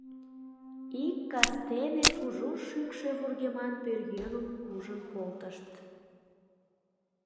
Ик кастене кужу шӱкшӧ вургеман пӧръеҥым ужын колтышт.